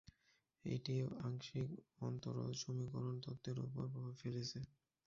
এটি আংশিক অন্তরজ সমীকরণ তত্ত্বের উপর প্রভাব ফেলেছে।